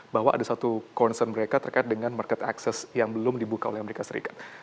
bahwa ada satu concern mereka terkait dengan market access yang belum dibuka oleh amerika serikat